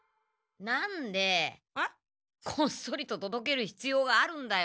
なんでこっそりととどけるひつようがあるんだよ。